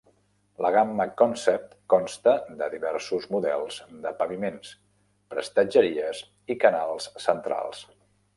La gamma Concept consta de diversos models de paviments, prestatgeries i canals centrals.